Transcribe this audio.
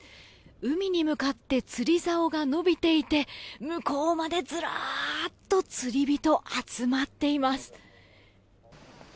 海に向かって釣りざおが伸びていて向こうまでずらーっと釣り人が集まっています。